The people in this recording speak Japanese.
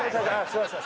すいません。